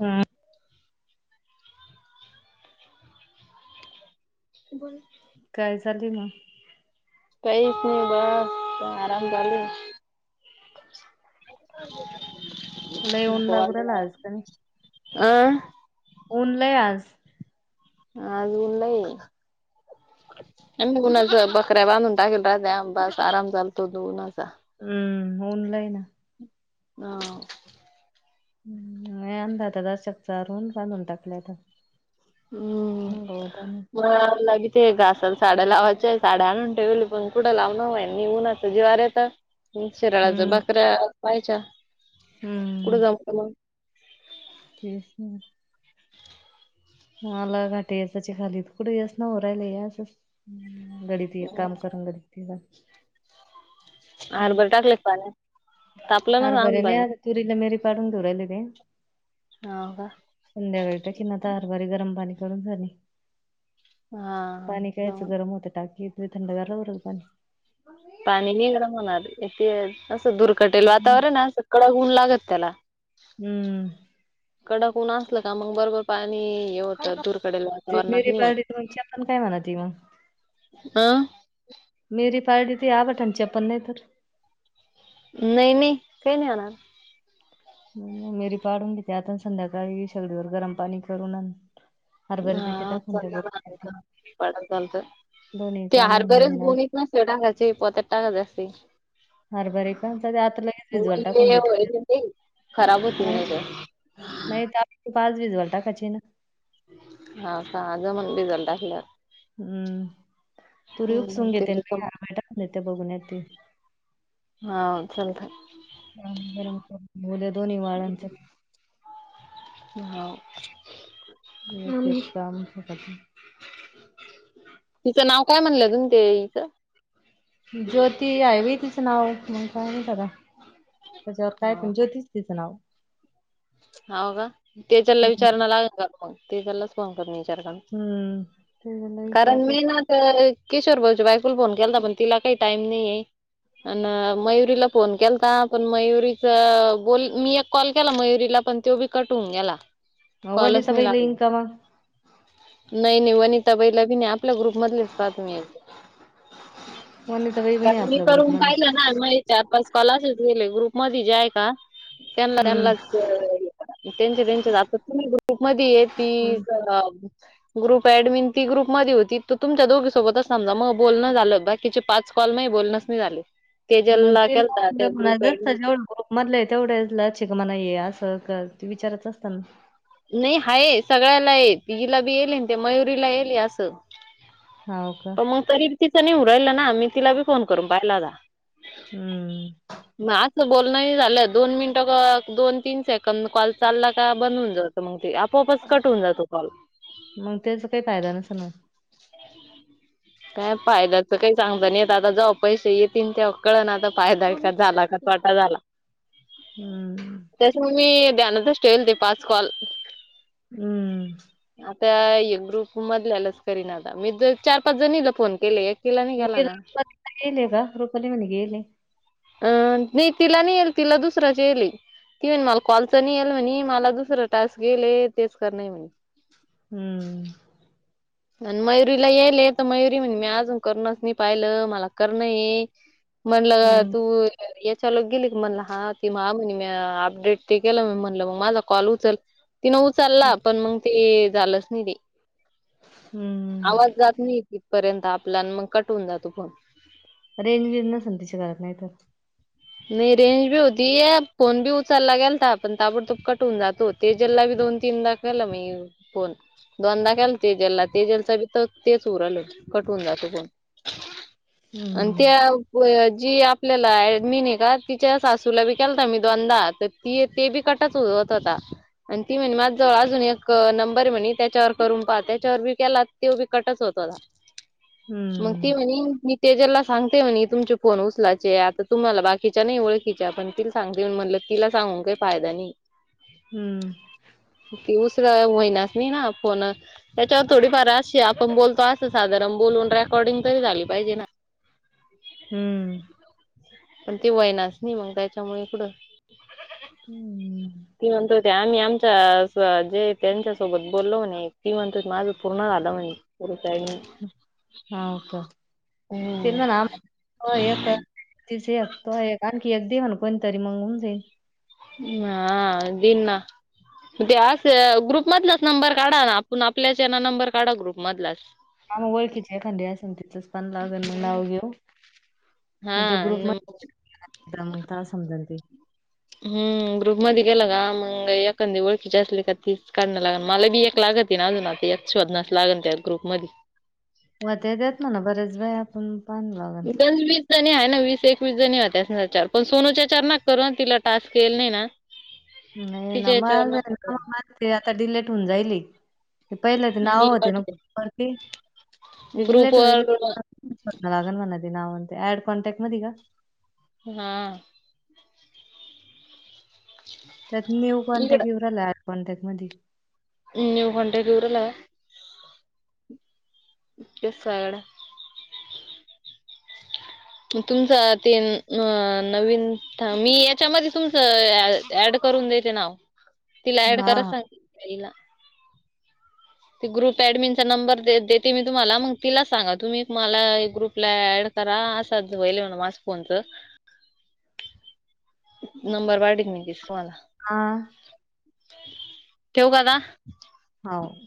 हम्म बोला, की काय चालय म? कहीच नाही बस आराम चालूये. क [inaudible] लय ऊन लागू राहिलं आज का नाही अह [inaudible] ऊन लय आज. आज ऊन लय. आणि ऊनाचा बाकऱ्या बांधून टाकेल राहत्या, बस आराम चालतो उन्हाचा. हम्म, ऊन लय ना. हा. नाही आणल्यात जराशक चारून बांधून टाकलाय आता. हम्म, गौतम उन्हाळा असला की ते घासाला साड्या लावायच्या, साड्या आणून ठेवली पण कुठं लाव नवय निघून असं उन्हाच जिवारर येत. शिराळाच भाकऱ्या व्हायच्या, कुठं हम्म जाऊ मग? तेच ना. ह ल घाट याचे खालीत, कुठे यस ना हो राहिल अस गडी ती एक मग काम करुन जाती, तिचा हरबर टाकले का पाण्यात? तापलं ना हरबर आम नाही पाणी आ तुरीला [unintelligible] हो का? संद्याकाळी तर किना तर हरबरी गरम पाणी करून झाली पाणी हा कायचं गरम होत टाकीत लय थंडागार [unintelligible] पाणी नि गरम होणार इथ असं दुर् कटेल वातावरण ना कडक ऊन लागत त्याला, हम्म कडक ऊन असलं का मग बरोबर पाणी हे होतं धुरकडेल वातावरणात नाही होत. [unintelligible] काय म्हणाते मग अं [unintelligible] नाही नाही, काय नाही होणार? मिरी पाडून घेते आता संध्याकाळी शेगडीवर गरम पाणी करून हरभरे तिथे टाकून त्या बघ दोन्ही ते काम होऊन हारभरेच जाईन आज गुणी नसेल टाकायचं मी पोत्यात टाकायच असतय हरभरे का आता लगेच भिजायला टाकून देते. उडले खराब होतील हा नाहीतर नाही तर डाळ भिजवायला टाकायची ना, हा का जमल भिजत टाल्यावर ह तुरी हम्म उपसून ते घेते आणि रिकाम हरभरे टाकून येते आणि भुगुण्यात ते हा चालतय. उद्या दोन्ही वाळांच होव सांगू शकत नाही. तिचं नाव काय म्हणलं गं ते हिचं ज्योती आहे विही तिचं नाव मग काय माहित आता त्याच्यावर काय पण ज्योती तीच नाव हो का तेजल ला हम्म विचारना लागतं आपण तेज लाच फोन करून विचारता, हम्म. त्याला कारण विचारत मी ना किशोर भाऊच्या बायकोला फोन केलता, पण तिला काही टाईम नाही ये आण मयुरीला फोन केलता पण मयुरीच बोल, मी एक कॉल केला मयुरी केला पण तो भी कट होऊन गेला कॉलच नाही वनिताबाईला येईन लागत. का मग? नाही नाही वनिताबाईला भी नाही आपल्या ग्रुप मधलेच पाहा तुम्ही वनिताबाई पण आहे कारण मी आपल्या करून ग्रुपमध्ये. पहिले ना, पाच कॉल असेच मिळले ग्रुपमध्ये जे आहे का? त्यांना त्यांनाच हम्म. त्यांचे त्याचे जातात ग्रुपमध्ये ये ती हम्म. ग्रुप ॲडमिन ती ग्रुप मध्ये होती त तुमच्या दोघी सोबतच समजा मग बोलणं झालं. बाकि तीचे पाच कॉलमध्ये बोलनच नाही झाले. [inaudible] तेजलला केलता त्या ग्रुप मधलं ऍडमिन तेवढ्या लचिक मणा ये असं का ते विचारत असतना, नाही हाय सगळ्याला ये हिलाबी येले ना ते मयुरीलाबी येले असं, हो का? प मग तरी बी तिचा नाही हू राहिला ना मी तिला बी फोन करून पाहिला होता. हम्म, असं बोलण हे झालं, दोन मिनिटं दोन तीन सेकंड. कमी काॅल चाला का? बंद होऊन जातो मग ते आपोआप कट होऊन जातो काॅल मग त्याचा काय फायदा नसेल होतं. काय फाद्याचं काही सांगता नाही येत आता जेव्हा पैसे येतील तेव्हा कळन आता फायदा का झाला का तोटा झाला. हम्म. त्याच्यामुळे मी ध्यानातच ठेवेल ते पाच कॉल. हम आता ये ग्रुप मधल्यालाच करीन आता मी चार पाच जणीला फोन केले. एकीला नाही केला ना. [unintelligible] का रुपाली म्हणी गेले. अं नाही तिला नाही येल तिला दुसराच येई ले ती म्हणे मला कॉलच नाही येल म्हणे मला दुसरं टास्क येई ले तेच करन आहे म्हणे. हम्म आणि मयुरी ला येइले तर मयुरी म्हणे मी अजून करूनच नाही पाहिलं मला करण ये म्हणलं हम्म. तू याच्या लोक गेली की म्हणला हा ती मग म्हणे म अपडेट ते केलं म म्हणलं मग माझा कॉल उचल तिनं उचलला पण मग ते झालंच नाही ते हम्म. आवाज जात नाही तिथपर्यंत आपल्या मग कट होवून जातो फोन. रेंज गिज नसन तिच्या घरात नाही तर नाही रेंज बी होती फोन बी उचलला गेलता पण ताबडतोब कट होवून जातोच तेजल ला बी दोन तीन दा केला मी फोन. दोनदा केला तेजलला तेजेलचा बी तर तेच होऊन राहील कटून जातो फोन आणि हम्म. त्या जी आपल्याला एडमिन आहे का तिच्या सासूला बी केलता मी दोनदा तर ती ते बी कटतच होत होता आणि ती म्हणे माझ्या जवळ अजून एक नंबर आहे म्हणे त्याच्यावर करून पहा त्याच्यावर बी केला तो बी कटच होत होता. [inaudible] मग हम्म. ती म्हणे मी तेजलला सांगते म्हणे तुमचे फोन उचलाचे आता तुम्हाला बाकी तिचा नाही ओळखिचा पण तिला सांगते म्हटलं तिला सांगून काही फायदा नाही. हम्म त उचल होईलाच नाइ ना फोन त्याच्यावर थोडी फार अशी आपण बोलतो असं साधारण बोलून रेकॉर्डिंग तरी झाली पाहिजे ना. हम्म पण ते होईनाच नाही मग त्याच्यामुळे इकडं हम्म [inaudible] ती म्हणत होते आम्ही आमच्या जे त्यांच्या सोबत बोललो म्हणे ती म्हणत होती माझं पूर्ण झालं म्हणे. तरी काय बी हाव का ती हम्म म्हणाव तु हे कर तिच एक तो एक आणखी एक दे म्हण कोणतरी मग होऊन जाईन हा देईन ना ते अस ग्रुप मधलाच नंबर काढा आपण आपल्याच यांना नंबर काढा ग्रुपमधलाच ह मग ओळखीची एखादी असेल तिथच पण लागेल मग हम्म. नाव घेऊ हा नं त मग ता समजल ते हम ग्रुप मध्ये गेला का मग एखादी ओळखीचे असली का तीच काढणं लागल मला बी एक लागत अजून आता एक शोधनास लागल त्या ग्रुप मध्ये व्हतय त्यात म्हणा ना बरेच बाय आपण [unintelligible] जणी आहे ना वीस एकवीस जणी होत्या चार पण सोनूच्या चार ना करू तिला टास्क येल नाही ना. नाही ना तिच्या याच्यावर माझ नका करू [unintelligible] माझ आता डिलेट होऊन जाईली. ते पहिले ते नाव मी होते पाठवते खूप वरती ते ग्रुप डीलेट वईल. वर मला अजून म्हणती नाव ते ऍड कॉन्टॅक्ट मध्ये आहे का? हां. त्यात न्यू इकड कॉन्टॅक्ट येऊ राहिलं ऍड कॉन्टॅक्ट मध्ये. न्यू कॉन्टॅक्ट येऊन राहिला? ते सगळं तुमच ते अ नवीन मी याच्यामध्ये तुमचं ऍड करून देते नाव. तिला ऍड हां. कराया सांगते ते ग्रुप ऍडमिनचा नंबर देते मी तुम्हाला मग तिला सांगा तुम्ही मला ग्रुपला ॲड करा अस अस व्हायले म्हण माझा फोनच. नंबर पाठवते मी तुम्हाला. आं ठेवू का आता? हाव.